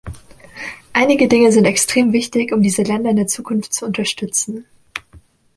Einige Dinge sind extrem wichtig, um diese Länder in der Zukunft zu unterstützen.